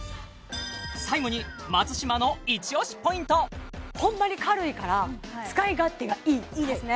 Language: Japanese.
最後にホンマに軽いから使い勝手がいいいいですね